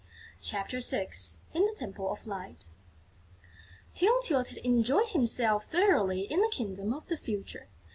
CHAPTER VI IN THE TEMPLE OF LIGHT Tyltyl had enjoyed himself thoroughly in the Kingdom of the Future.